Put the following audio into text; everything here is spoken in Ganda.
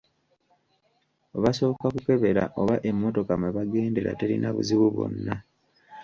Basooka kukebera oba emmotoka mwe bagendera terina buzibu bwonna.